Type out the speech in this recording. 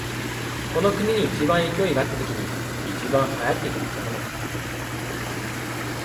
この国に一番勢いがあったときに一番流行っていた建物。